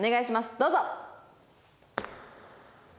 どうぞ！